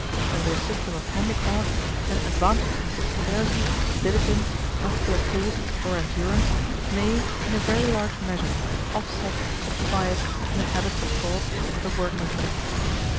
Under a system of handicraft an advantage in dexterity, diligence, muscular force, or endurance may, in a very large measure, offset such a bias in the habits of thought of the workmen.